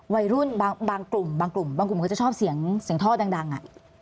วัยรุ่นบางกลุ่มบางกลุ่มบางกลุ่มก็จะชอบเสียงท่อดัง